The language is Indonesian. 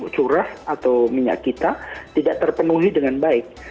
curah atau minyak kita tidak terpenuhi dengan baik